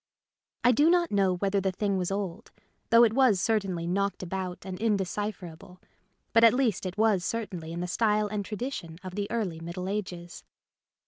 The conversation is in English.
I do not know whether the thing was old, though it was certainly knocked about and indecipher able, but at least it was certainly in the style and tradition of the early Middle Ages.